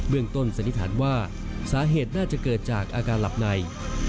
เรื่องต้นสันนิษฐานว่าสาเหตุน่าจะเกิดจากอาการหลับใน